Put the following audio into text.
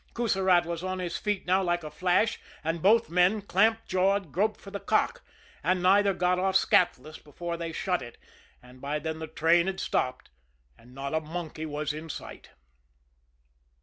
Coussirat was on his feet now like a flash, and both men, clamped jawed, groped for the cock; and neither got off scathless before they shut it and by then the train had stopped, and not a monkey was in sight.